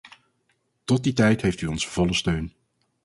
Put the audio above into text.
Tot die tijd heeft u onze volle steun.